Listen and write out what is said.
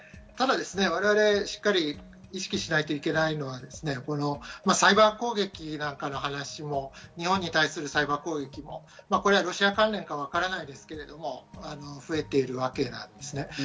ただ我々がしっかり意識しないといけないのは、サイバー攻撃なんかの話も日本に対するサイバー攻撃もロシア関連かわからないですけれども増えているわけです。